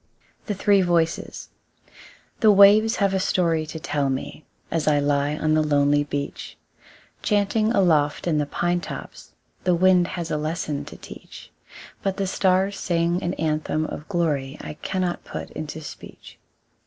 The Three Voices The waves have a story to tell me, As I lie on the lonely beach; Chanting aloft in the pine tops, The wind has a lesson to teach; But the stars sing an anthem of glory I cannot put into speech.